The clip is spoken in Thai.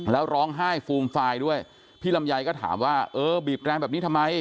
แล้วร้องไห้ฟูมฟายด้วยพี่ลำไยก็ถามว่าเออบีบแรงแบบนี้ทำไม